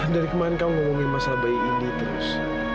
dari kemarin kamu ngomongin masalah bayi indi terus